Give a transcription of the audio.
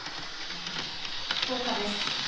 福岡です。